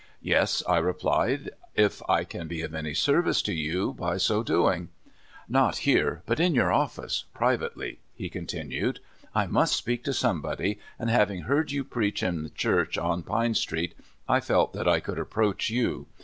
" "Yes," I replied, "if I can be of any service to you by so doing." "Not here, but in your office, privately," he contmued. "I must speak to somebody, and having heard you preach in the church on Pine Street, I felt that I could approach you.